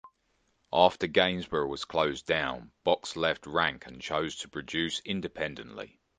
After Gainsborough was closed down Box left Rank and chose to produce independently.